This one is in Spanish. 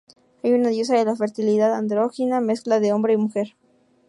Hay una diosa de la fertilidad andrógina, mezcla de hombre y mujer.